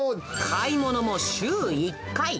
買い物も週１回。